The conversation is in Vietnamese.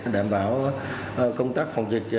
đảm bảo công tác phòng dịch